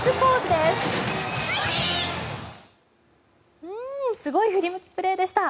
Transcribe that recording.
すごい振り向きプレーでした。